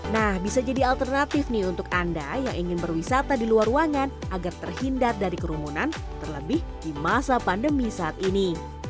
nah bisa jadi alternatif nih untuk anda yang ingin berwisata di luar ruangan agar terhindar dari kerumunan terlebih di masa pandemi saat ini